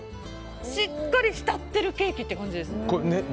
しっかり浸ってるケーキという感じです。